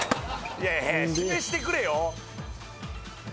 いやいや示してくれよ。